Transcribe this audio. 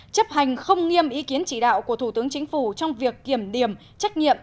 chấp hành không nghiêm ý kiến chỉ đạo của thủ tướng chính phủ trong việc kiểm điểm trách nhiệm